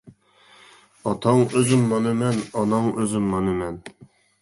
ئاتاڭ ئۆزۈم مانا مەن ئاناڭ ئۆزۈم مانا مەن.